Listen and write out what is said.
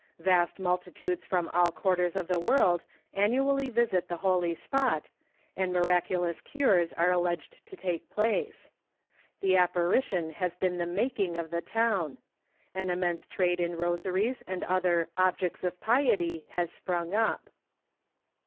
Vast multitudes from all quarters of the world annually visit the holy spot, and miracu TnE SURVIVAL OF SUPERSTITION 393 lous cures are alleged to take place. The apparition has been the making of the town. An immense trade in rosaries and other "objects of piety " has sprung up.